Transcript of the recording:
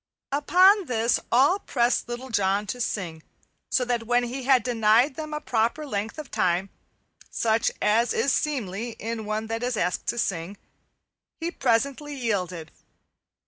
Upon this all pressed Little John to sing, so that when he had denied them a proper length of time, such as is seemly in one that is asked to sing, he presently yielded.